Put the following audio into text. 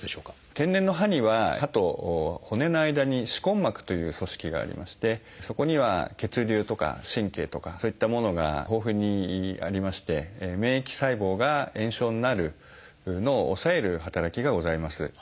天然の歯には歯と骨の間に歯根膜という組織がありましてそこには血流とか神経とかそういったものが豊富にありまして免疫細胞が炎症になるのを抑える働きがございます。